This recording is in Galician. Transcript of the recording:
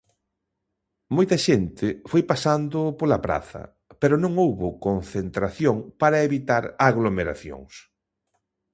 Moita xente foi pasando pola praza, pero non houbo concentración para evitar aglomeracións.